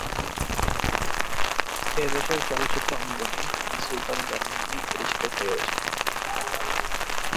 এ দেশের চলচ্চিত্র অঙ্গনে তিনি সুলতানা জামান নামেই পরিচিত হয়ে ওঠেন।